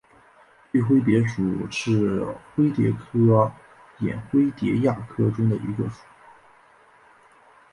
锯灰蝶属是灰蝶科眼灰蝶亚科中的一个属。